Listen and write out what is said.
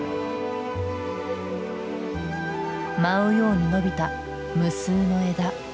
舞うように伸びた無数の枝。